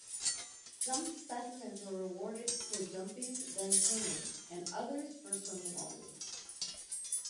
Some specimens were rewarded for jumping then swimming, and others for swimming only.